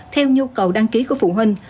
theo nhu cầu đăng ký của phụ huynh